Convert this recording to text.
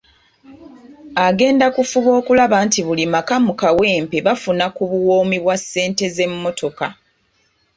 Agenda kufuba okulaba nti buli maka mu Kawempe bafuna ku buwoomi bwa ssente z’emmotoka.